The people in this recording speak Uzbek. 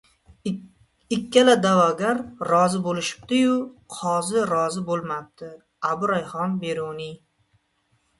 Ikkala da’vogar rozi bo‘lishibdi-yu, qozi rozi bo‘lmabdi. Abu Rayhon Beruniy